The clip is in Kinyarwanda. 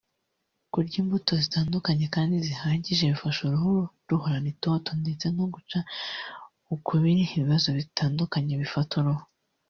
Kurya imbuto zitandukanye kandi zihagije bifasha uruhu guhorana itoto ndetse no guca ukubiri n’ibibazo bitandukanye bifata uruhu